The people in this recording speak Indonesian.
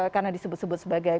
karena disebut sebut sebagai